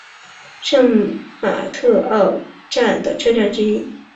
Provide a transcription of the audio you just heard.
圣马特奥站的车站之一。